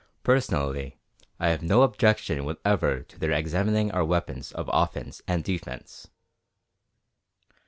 Personally, I have no objection whatever to their examining our weapons of offence and defence."